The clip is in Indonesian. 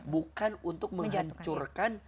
bukan untuk menghancurkan